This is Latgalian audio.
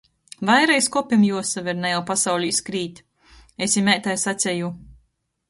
Vaira iz kopim juosaver, na jau pasaulī skrīt. Es i meitai saceju.